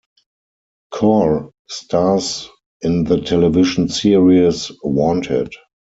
Corr stars in the television series "Wanted".